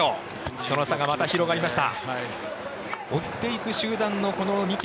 その差がまた広がりました。